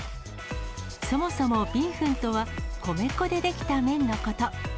そもそもビーフンとは、米粉で出来た麺のこと。